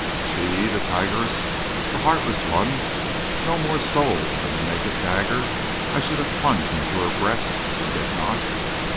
she! the tigress, the heartless one, with no more soul than the naked dagger I should have plunged into her breast and did not!